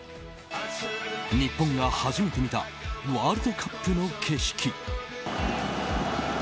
日本が初めて見たワールドカップの景色。